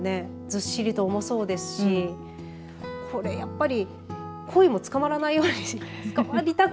ずっしりと重そうですしこれ、やっぱりこいも捕まらないようにしないと。